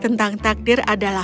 dengan menghasilkan padat